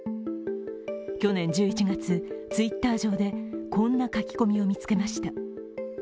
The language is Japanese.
去年１１月、Ｔｗｉｔｔｅｒ上でこんな書き込みを見つけました。